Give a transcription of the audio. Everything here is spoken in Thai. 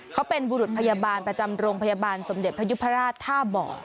เขาเป็นบุรุษพยาบาลประจำโรงพยาบาลสมเด็จพระยุพราชท่าบ่อ